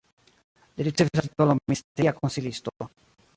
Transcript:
Li ricevis la titolon ministeria konsilisto.